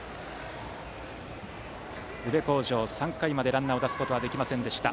宇部鴻城、３回までランナーを出すことができませんでした。